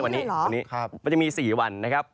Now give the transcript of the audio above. มันจะมี๔วันนะครับ